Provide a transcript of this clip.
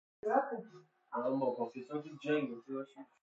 ما از توی آب به این دنیا میایم